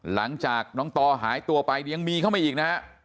หลังจากน้องต่อหายตัวไปยังมีเข้ามาอีกนะฮะ